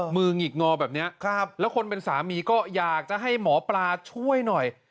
หงิกงอแบบนี้แล้วคนเป็นสามีก็อยากจะให้หมอปลาช่วยหน่อย